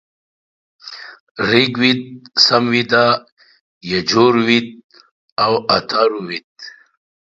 ریګ وید، سمویدا، یجوروید او اتارو وید -